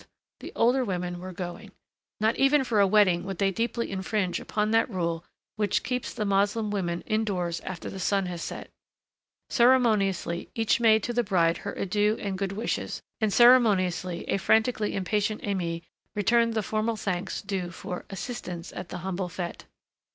The older women were going. Not even for a wedding would they deeply infringe upon that rule which keeps the Moslem women indoors after the sun has set. Ceremoniously each made to the bride her adieux and good wishes, and ceremoniously a frantically impatient Aimée returned the formal thanks due for "assistance at the humble fête."